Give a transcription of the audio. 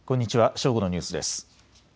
正午のニュースです。